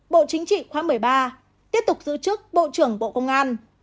bộ chính trị khóa một mươi ba tiếp tục giữ chức bộ trưởng bộ công an